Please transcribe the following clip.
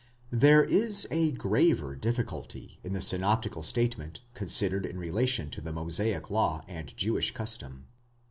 There is a graver difficulty in the synoptical statement, considered in rela tion to the Mosaic law and Jewish custom.